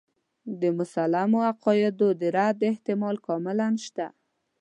د مسلمو عقایدو د رد احتمال کاملاً شته.